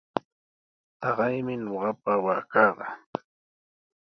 Taqaymi ñuqapa waakaqa.